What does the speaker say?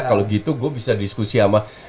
kalau gitu gue bisa diskusi sama